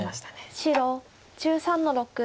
白１３の六ノビ。